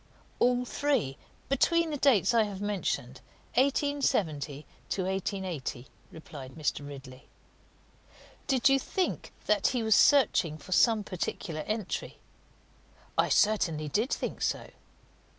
"All three, between the dates I have mentioned 1870 to 1880," replied Mr. Ridley. "Did you think that he was searching for some particular entry?" "I certainly did think so."